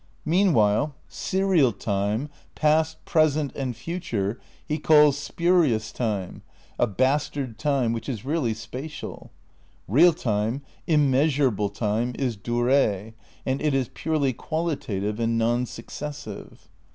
Meanwhile serial time, past, present and future, he calls spurious time, a bastard time which is really spatial. Eeal time, immeasurable time, is dwree and it is purely qualitative and non successive.